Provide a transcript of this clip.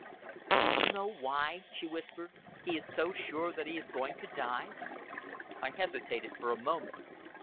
"Do you know why," she whispered, "he is so sure that he is going to die?" I hesitated for a moment.